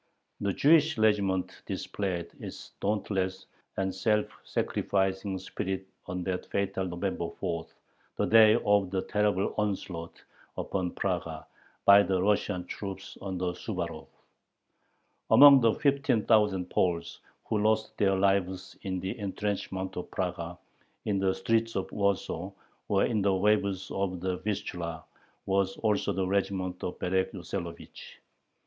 The Jewish regiment displayed its dauntless and self sacrificing spirit on that fatal November fourth, the day of the terrible onslaught upon Praga by the Russian troops under Suvarov. Among the fifteen thousand Poles who lost their lives in the intrenchments of Praga, in the streets of Warsaw, or in the waves of the Vistula, was also the regiment of Berek Yoselovich.